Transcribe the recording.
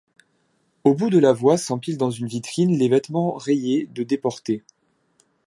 Au bout de la voie s'empilent dans une vitrine les vêtements rayés de déportés.